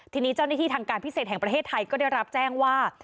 ทีนี้เจ้าหน้าที่ทางการพิเศษแห่งประเทศไทยก็ได้รับแจ้งว่า